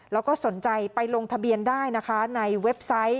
แล้วก็สนใจไปลงทะเบียนได้นะคะในเว็บไซต์